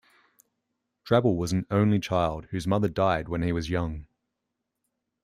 Drabble was an only child, whose mother died when he was young.